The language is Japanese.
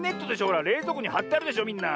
ほられいぞうこにはってあるでしょみんな。